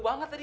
apa yang tadi